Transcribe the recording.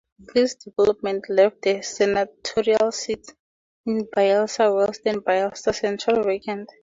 This development left the Senatorial seats in Bayelsa West and Bayelsa Central vacant.